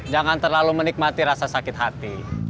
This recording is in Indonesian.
jangan terlalu menikmati rasa sakit hati